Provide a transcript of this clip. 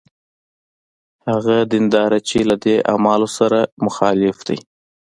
هغه دینداره چې له دې اعمالو سره مخالف دی.